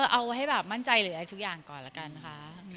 เอาให้แบบมั่นใจหรืออะไรทุกอย่างก่อนละกันค่ะ